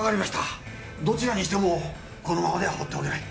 どちらにしてもこのままではほうっておけない。